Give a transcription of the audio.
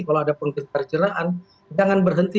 kalau ada penghentian jeraan jangan berhenti